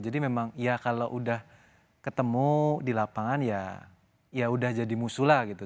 jadi memang ya kalau udah ketemu di lapangan ya udah jadi musuh lah gitu